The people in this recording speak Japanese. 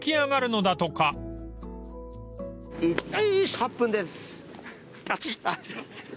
８分です。